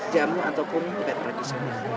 jamu ataupun tidak teragis